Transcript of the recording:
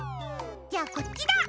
じゃあこっちだ！